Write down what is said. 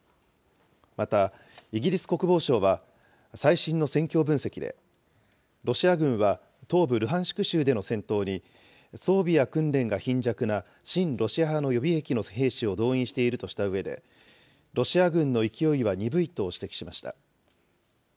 また、イギリス国防省は、最新の戦況分析で、ロシア軍は東部ルハンシク州での戦闘に、装備や訓練が貧弱な親ロシア派の予備役の兵士を動員しているとしたうえで、ロシア軍の勢いは鈍いと指摘しました。